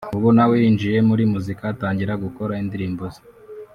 ubu nawe yinjiye muri muzika atangira gukora indirimbo ze